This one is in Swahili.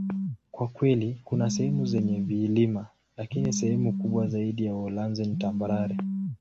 Kwa kweli, kuna sehemu zenye vilima, lakini sehemu kubwa zaidi ya Uholanzi ni tambarare.